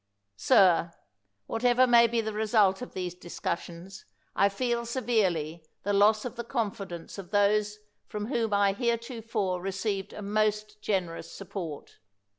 Sir, whatever may be the result of these dis cussions, I feel severely the loss of the confidence of those from whom I heretofore received a most generous support.